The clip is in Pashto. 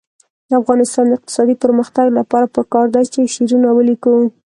د افغانستان د اقتصادي پرمختګ لپاره پکار ده چې شعرونه ولیکو.